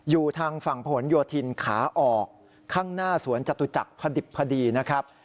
อยู่ทางฝั่งผนโยธินขาออกข้างหน้าสวนจตุจักรพอดิบพอดีนะครับ